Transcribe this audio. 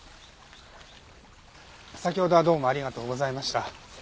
先ほどはどうもありがとうございました。